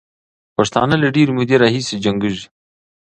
پښتانه له ډېرې مودې راهیسې جنګېږي.